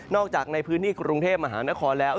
จากในพื้นที่กรุงเทพมหานครแล้ว